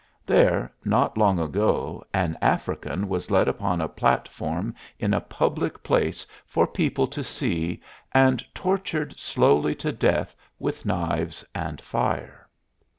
There, not long ago, an African was led upon a platform in a public place for people to see, and tortured slowly to death with knives and fire.